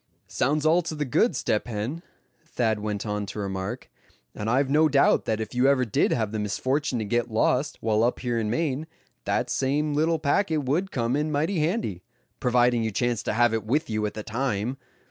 "Sounds all to the good, Step Hen," Thad went on to remark; "and I've no doubt that if you ever did have the misfortune to get lost, while up here in Maine, that same little packet would come in mighty handy, providing you chanced to have it with you at the time.